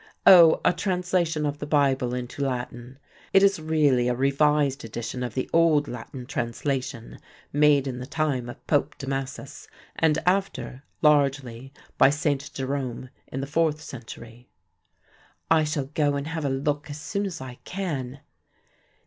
"Oh, a translation of the Bible into Latin. It is really a revised edition of the 'Old Latin' translation, made in the time of Pope Damasus and after, largely by St. Jerome in the fourth century." "I shall go and have a look as soon as I can."